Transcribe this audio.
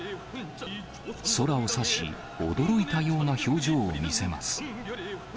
空を指し、驚いたような表情を見せます。